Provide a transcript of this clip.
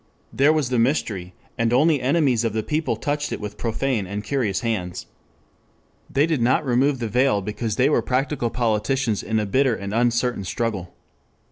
There was the mystery, and only enemies of the people touched it with profane and curious hands. 2 They did not remove the veil because they were practical politicians in a bitter and uncertain struggle.